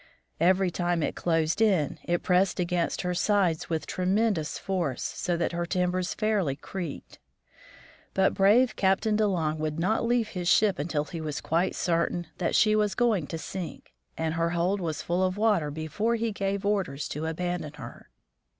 Every time it closed in, it pressed against her sides with tremendous force, so that her timbers fairly creaked. But brave Captain De Long would not leave his ship until he was quite certain that she was going to sink, and her hold was full of water before he gave orders to aban don her.